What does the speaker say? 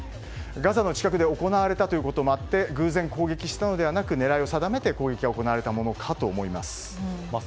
ガザの近くで行われたということもあって偶然、攻撃したのではなく狙いを定めて攻撃が行われたものかと思われます。